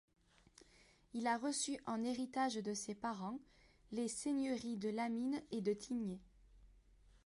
Il reçu en héritage de ses parents les seigneuries de Lamine et de Tignée.